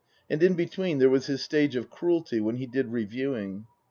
And in between there was his stage of cruelty, when he did reviewing.